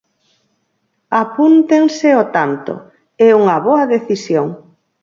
Apúntense o tanto, é unha boa decisión.